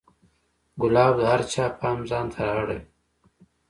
ګلاب د هر چا پام ځان ته را اړوي.